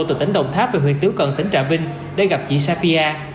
từ tỉnh đồng tháp về huyện tiếu cận tỉnh trà vinh để gặp chị safia